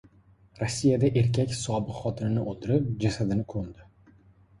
Rossiyada erkak sobiq xotinini o‘ldirib, jasadini ko‘mdi